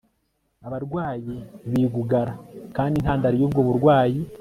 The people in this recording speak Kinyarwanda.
abarwayi bigugara kandi intandaro yubwo burwayi